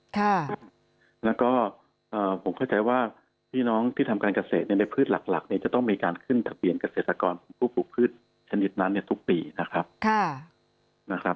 แล้วก็ผมเข้าใจว่าพี่น้องที่ทำการเกษตรในพืชหลักหลักเนี่ยจะต้องมีการขึ้นทะเบียนเกษตรกรผู้ปลูกพืชชนิดนั้นเนี่ยทุกปีนะครับ